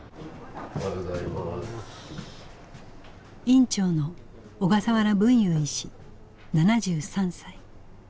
院長の小笠原文雄医師７３歳。